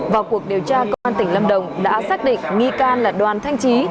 vào cuộc điều tra công an tỉnh lâm đồng đã xác định nghi can là đoàn thanh trí